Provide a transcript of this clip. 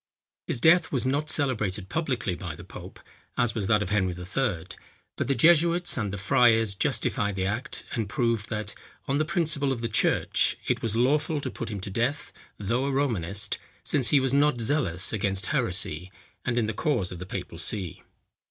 His death was not celebrated publicly by the pope, as was that of Henry III., but the jesuits and the friars justified the act, and proved that, on the principles of the church, it was lawful to put him to death, though a Romanist, since he was not zealous against heresy, and in the cause of the papal see.